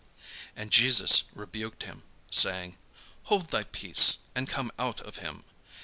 And Jesus rebuked him, saying, "Hold thy peace, and come out of him."